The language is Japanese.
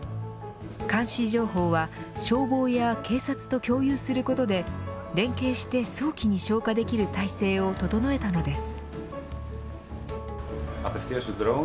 監視情報は消防や警察と共有することで連携して早期に消火できる体制を整えたのです。